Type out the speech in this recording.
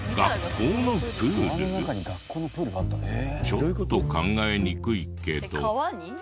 ちょっと考えにくいけど。